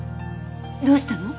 どうしたの？